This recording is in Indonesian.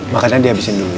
makanan dihabisin dulu ya